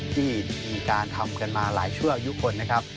ที่มีการทำกันมาหลายชั่วอายุคนนะครับ